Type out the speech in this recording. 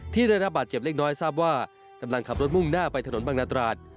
ที่ได้รับบาดเจ็บเล็กน้อยทราบว่ากำลังขับรถมุ่งหน้าไปถนนบางนาตราด